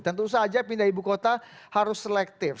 tentu saja pindah ibu kota harus selektif